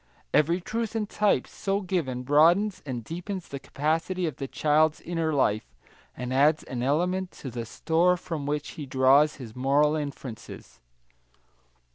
Every truth and type so given broadens and deepens the capacity of the child's inner life, and adds an element to the store from which he draws his moral inferences.